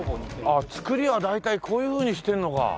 ああ造りは大体こういうふうにしてるのか。